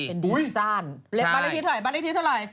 เป็นดีซ่านบริษฐีเท่าไรใช่